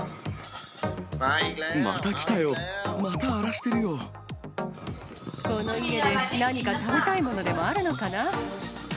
また来たよ、また荒らしてるこの家で何か食べたいものでもあるのかな。